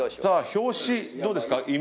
さあ表紙どうですか？